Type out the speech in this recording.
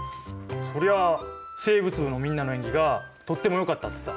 そりゃあ生物部のみんなの演技がとってもよかったってさ。